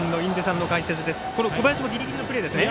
小林もギリギリのプレーですね。